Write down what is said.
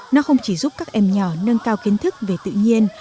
nó không chỉ giúp các em nhỏ nâng cao kiến thức về tự nhiên